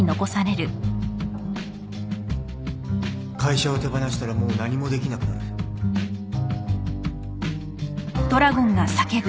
会社を手放したらもう何もできなくなる・虎さん。